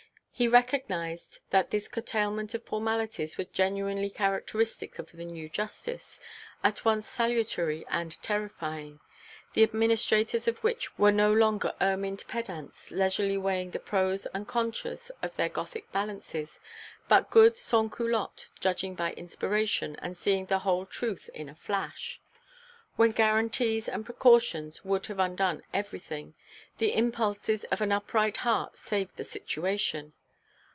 He recognized that this curtailment of formalities was genuinely characteristic of the new justice, at once salutary and terrifying, the administrators of which were no longer ermined pedants leisurely weighing the pros and contras in their Gothic balances, but good sansculottes judging by inspiration and seeing the whole truth in a flash. When guarantees and precautions would have undone everything, the impulses of an upright heart saved the situation.